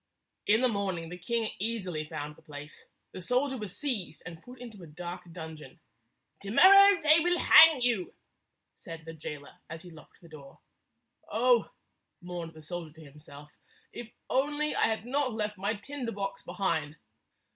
In the morning the king easily found the place. The soldier was seized and put into a dark dun geon. "To morrow they will hang you," said the jailer, as he locked the door. "Oh," mourned the soldier to himself, "if I only had not left my tinder box behind!"